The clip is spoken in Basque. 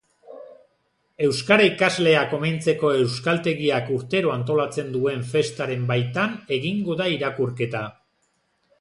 Euskara ikasleak omentzeko euskaltegiak urtero antolatzen duen festaren baitan egingo da irakurketa.